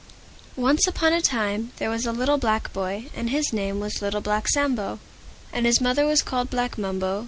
Once upon a time there was a little black boy, and his name was Little Black Sambo. And his mother was called Black Mumbo.